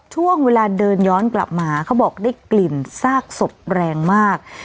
ช่วงเวลาเดินย้อนกลับมาเขาบอกได้กลิ่นซากศพแรงมาก